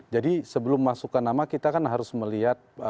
jadi sebelum masukkan nama kita kan harus melihat